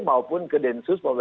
maupun ke densus pt rt apa